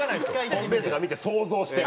ホームページとか見て想像して。